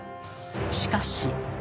しかし。